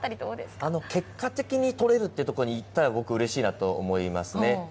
結果的に取れるってところにいったら僕、うれしいなと思いますね。